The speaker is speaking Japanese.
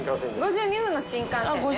５２分の新幹線ね。